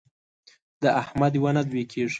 د احمد یوه نه دوې کېږي.